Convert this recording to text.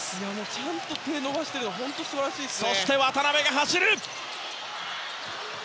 ちゃんと手を伸ばしているのが本当に素晴らしいですね。